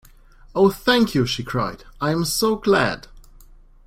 Oh thank you! she cried. I am so glad!